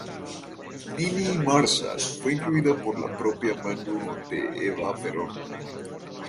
Niní Marshall fue incluida por la propia mano de Eva Perón.